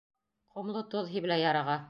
Ҡомло тоҙ һибелә яраға...